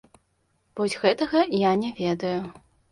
Вось гэтага я не ведаю.